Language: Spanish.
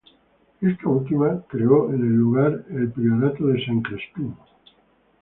Esta última creó en el lugar el priorato de Saint-Crespin.